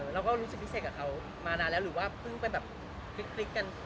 เราก็รู้สึกพิเศษกับเขามานานแล้วหรือว่าเพิ่งไปแบบพลิกกัน